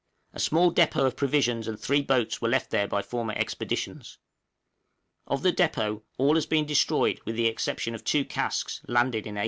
A small depôt of provisions and three boats were left there by former expeditions. Of the depôt all has been destroyed with the exception of two casks landed in 1850.